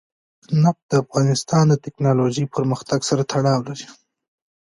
نفت د افغانستان د تکنالوژۍ پرمختګ سره تړاو لري.